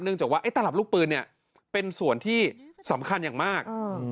จากว่าไอ้ตลับลูกปืนเนี่ยเป็นส่วนที่สำคัญอย่างมาก